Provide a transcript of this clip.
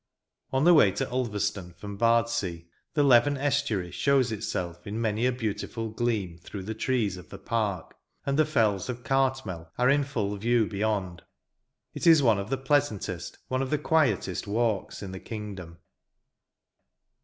On the way to Ulverstone, from Bardsea, the Leven estuary shows itself in many a beautiful gleam through the trees of the park; and the fells of Cartmel are in full view beyond. It is one of the pleasantest, one of the quietest walks in the kingdom.